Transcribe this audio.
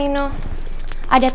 jele jelehan dia kan